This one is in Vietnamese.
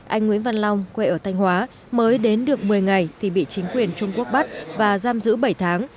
anh nguyễn văn long quê ở thanh hóa mới đến được một mươi ngày thì bị chính quyền trung quốc bắt và giam giữ bảy tháng